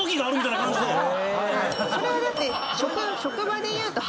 それはだって。